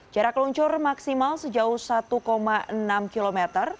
jarak luncur maksimal sejauh satu enam km